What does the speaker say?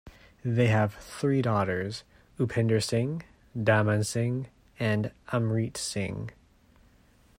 They have three daughters, Upinder Singh, Daman Singh and Amrit Singh.